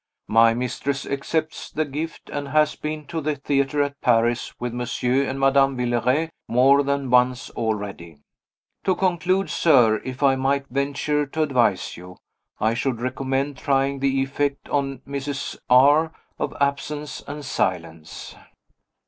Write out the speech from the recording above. My mistress accepts the gift, and has been to the theater at Paris, with Monsieur and Madame Villeray more than once already. To conclude, sir, if I might venture to advise you, I should recommend trying the effect on Mrs. R. of absence and silence."